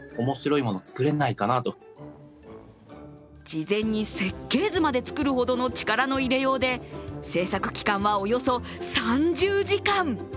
事前に設計図まで作るほどの力の入れようで制作期間はおよそ３０時間。